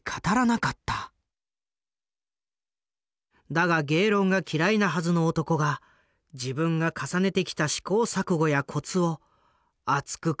だが芸論が嫌いなはずの男が自分が重ねてきた試行錯誤やコツを熱く語り続けたという。